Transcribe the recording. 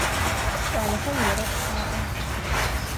Кӏалэхэм орэд къаӏо.